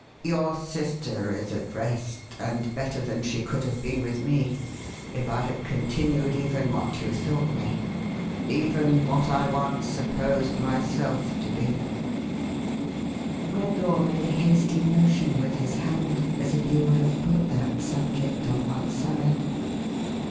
Your sister is at rest, and better than she could have been with me, if I had continued even what you thought me : even what I once supposed myself to be/1 Redlaw made a hasty motion with his hand, as if he would have put that subject on one side.